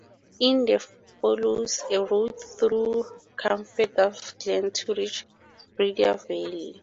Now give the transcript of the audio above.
It then follows a road through Cummeenduff Glen to reach Bridia Valley.